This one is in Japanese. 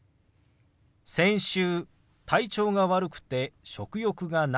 先週体調が悪くて食欲がなかったの。